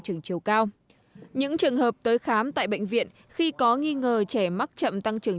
trưởng chiều cao những trường hợp tới khám tại bệnh viện khi có nghi ngờ trẻ mắc chậm tăng trưởng